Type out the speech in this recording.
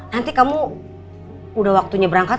nanti kamu udah waktunya berangkat